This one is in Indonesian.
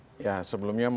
jadi kita harus menilainya ya